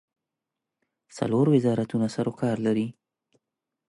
څلور وزارتونه سروکار لري.